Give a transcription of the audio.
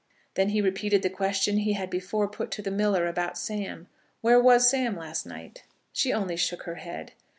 Then he repeated the question he had before put to the miller about Sam. Where was Sam last night? She only shook her head.